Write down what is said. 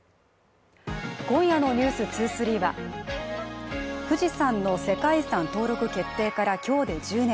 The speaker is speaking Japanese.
今夜の「ｎｅｗｓ２３」は富士山の世界遺産登録決定から今日で１０年。